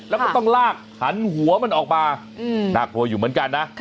แล้วก็ต้องลากหันหัวมันออกมาน่ากลัวอยู่เหมือนกันนะ